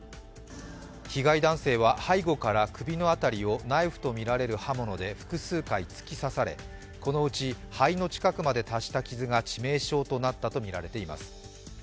被害男性は背後から首の辺りをナイフとみられる刃物で複数回突き刺されこのうち肺の近くまで達した傷が致命傷となったとみられています。